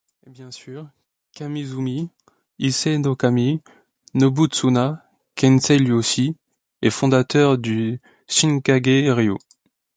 Et bien sur, Kamiizumi Ise-no-kami Nobutsuna, Kenseï lui aussi, et fondateur du Shinkage-ryū.